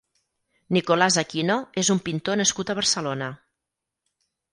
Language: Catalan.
Nicolás Aquino és un pintor nascut a Barcelona.